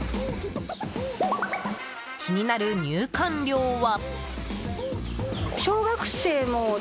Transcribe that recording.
気になる入館料は。